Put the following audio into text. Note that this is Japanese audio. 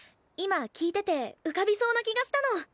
今聞いてて浮かびそうな気がしたの。